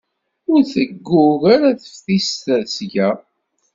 Ur teggug ara teftist seg-a.